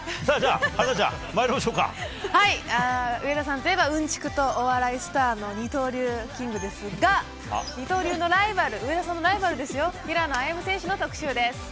それじゃあ、上田さんといえば、うんちくとお笑いスターの二刀流キングですが、二刀流のライバル、上田さんのライバルですよ、平野歩夢選手の特集です。